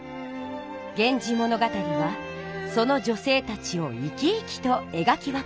「源氏物語」はその女性たちを生き生きとえがき分けています。